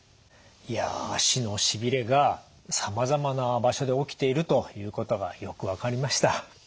いや足のしびれがさまざまな場所で起きているということがよく分かりました。